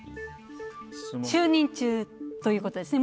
就任中ということですね。